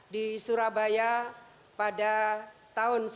di surabaya pada tahun seribu sembilan ratus sembilan puluh